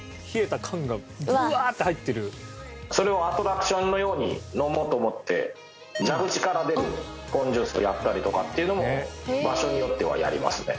それをアトラクションのように飲もうと思って蛇口から出るポンジュースやったりとかっていうのも場所によってはやりますね。